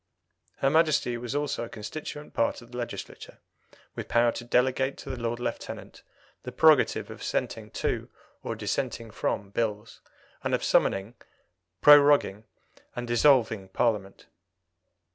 Her Majesty was also a constituent part of the Legislature, with power to delegate to the Lord Lieutenant the prerogative of assenting to or dissenting from Bills, and of summoning, proroguing, and dissolving Parliament.